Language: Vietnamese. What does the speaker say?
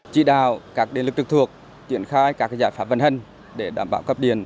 chỉ đào các điện lực trực thuộc triển khai các giải pháp vận hành để đảm bảo cấp điện